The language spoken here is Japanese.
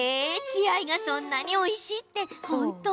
血合いがそんなにおいしいって本当？